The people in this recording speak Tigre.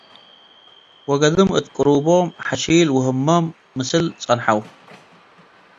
ወገድም እት ቅሩቦም ሐሺል ወህመ'ም ምስል ጸንሐው።